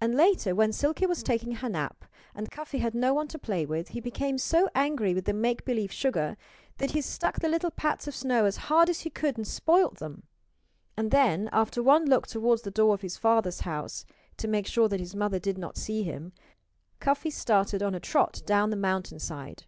And later, when Silkie was taking her nap, and Cuffy had no one to play with, he became so angry with the make believe sugar that he struck the little pats of snow as hard as he could and spoiled them. And then, after one look toward the door of his father's house to make sure that his mother did not see him Cuffy started on a trot down the mountainside.